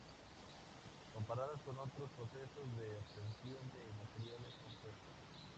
Comparadas con otros procesos de obtención de materiales compuestos.